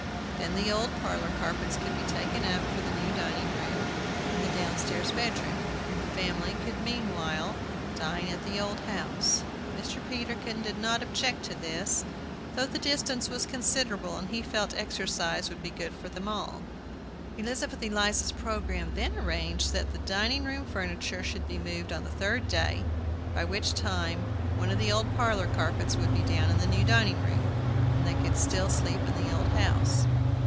Then the old parlor carpets could be taken up for the new dining room and the downstairs bedroom, and the family could meanwhile dine at the old house. Mr. Peterkin did not object to this, though the distance was considerable, as he felt exercise would be good for them all. Elizabeth Eliza's programme then arranged that the dining room furniture should be moved the third day, by which time one of the old parlor carpets would be down in the new dining room, and they could still sleep in the old house.